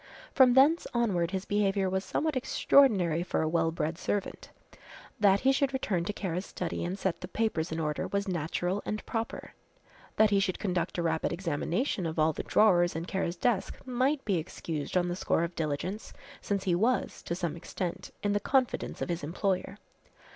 From thence onward his behaviour was somewhat extraordinary for a well bred servant. That he should return to Kara's study and set the papers in order was natural and proper. That he should conduct a rapid examination of all the drawers in Kara's desk might be excused on the score of diligence, since he was, to some extent, in the confidence of his employer.